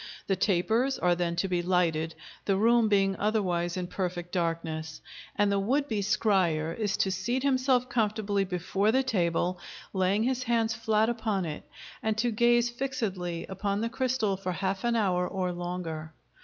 The tapers are then to be lighted, the room being otherwise in perfect darkness, and the would be scryer is to seat himself comfortably before the table, laying his hands flat upon it, and to gaze fixedly upon the crystal for half an hour or longer.